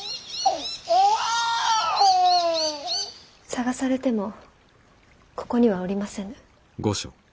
捜されてもここにはおりませぬ。